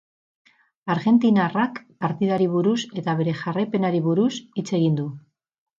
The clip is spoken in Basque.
Argentinarrak partidari buruz eta bere jarraipenari buruz hitz egin du.